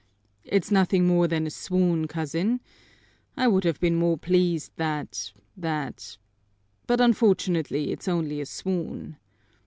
"It's nothing more than a swoon, cousin! I would have been more pleased that that but unfortunately it's only a swoon.